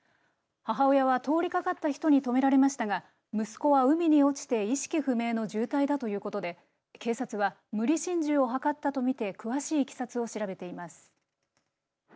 母親は通りかかった人に止められましたが息子は海に落ちて意識不明の重体だということで警察は無理心中を図ったとみて詳しいいきさつを調べています。